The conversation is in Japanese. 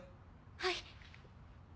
はい。